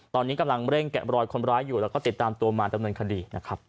ตอนนี้กำลังเร่งแกะบรอยคนร้ายอยู่แล้วก็ติดตามตัวมาดำเนินคดีนะครับ